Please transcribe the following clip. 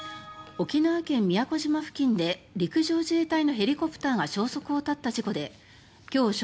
沖縄県宮古島付近で陸上自衛隊のヘリコプターが消息を絶った事故できょう正